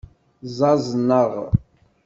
Ẓẓaẓneɣ.